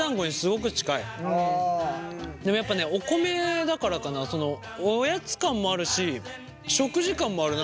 でもやっぱねお米だからかなおやつ感もあるし食事感もある。